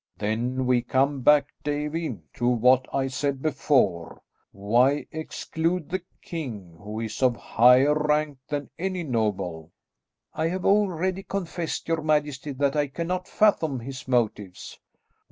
"Then we come back, Davie, to what I said before; why exclude the king who is of higher rank than any noble?" "I have already confessed, your majesty, that I cannot fathom his motives."